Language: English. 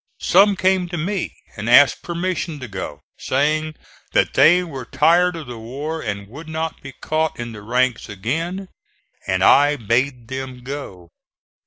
Some came to me and asked permission to go, saying that they were tired of the war and would not be caught in the ranks again, and I bade them go.